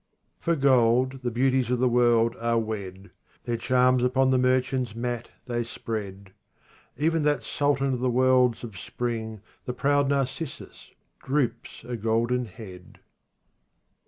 RUBAIYAT OF HAFIZ 47 32 For gold the beauties of the world are wed ; Their charms upon the merchants' mat they spread. Even that sultan of the worlds of spring, The proud Narcissus, droops a golden head.